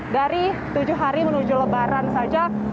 dari tujuh hari menuju lebaran saja